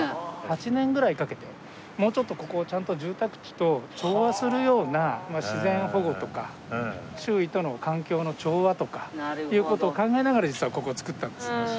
８年ぐらいかけてもうちょっとここをちゃんと住宅地と調和するような自然保護とか周囲との環境の調和とかいう事を考えながら実はここを作ったんです。